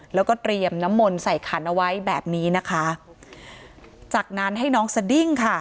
แล้วก็เตรียมน้ำมนต์ใส่ขันเอาไว้แบบนี้นะคะจากนั้นให้น้องสดิ้งค่ะ